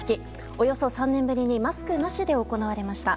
およそ３年ぶりにマスクなしで行われました。